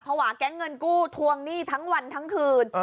วาแก๊งเงินกู้ทวงหนี้ทั้งวันทั้งคืน